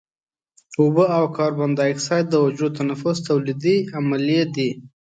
اوبه او کاربن دای اکساید د حجروي تنفس تولیدي عملیې دي.